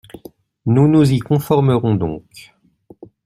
Nous nous y conformerons donc.